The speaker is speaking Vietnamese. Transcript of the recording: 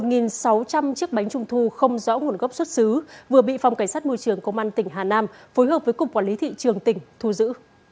một sáu trăm linh chiếc bánh trung thu không rõ nguồn gốc xuất xứ vừa bị phòng cảnh sát môi trường công an tỉnh hà nam phối hợp với cục quản lý thị trường tỉnh thu giữ